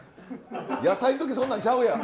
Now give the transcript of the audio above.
野菜の時そんなんちゃうやん。